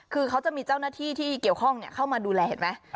คือเขาจะมีเจ้าหน้าที่ที่เกี่ยวข้องเข้ามาดูแลเห็นไหม